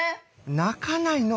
泣かないの！